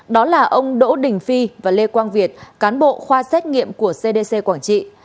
đó là ông đỗ đình phi và lê quang việt cán bộ khoa xét nghiệm của cdc quảng trị